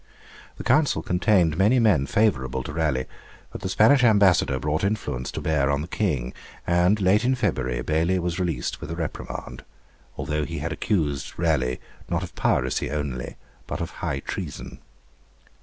The Council contained many men favourable to Raleigh, but the Spanish ambassador brought influence to bear on the King; and late in February, Bailey was released with a reprimand, although he had accused Raleigh not of piracy only, but of high treason.